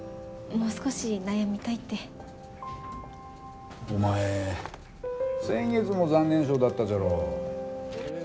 もう少し悩みたいって。お前先月も残念賞だったじゃろ。